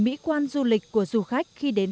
mỹ quan du lịch của du khách khi đến